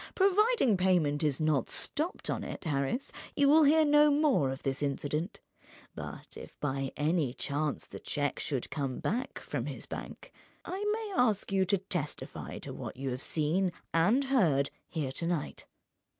Providing payment is not stopped on it, Harris, you will hear no more of this incident. But if by any chance the cheque should come back from his bank—I may ask you to testify to what you have seen and heard here to night."